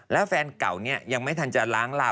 แล้วแฟนเก่าเนี่ยยังไม่ทันจะล้างลา